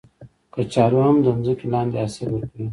کچالو هم د ځمکې لاندې حاصل ورکوي